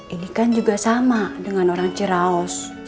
ini kan juga sama dengan orang jeraus